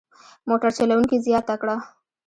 موټر چلوونکي زیاته کړه.